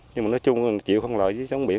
nhưng mà nói chung chịu không loại chứ sống biển